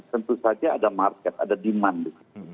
tentu saja ada market ada demand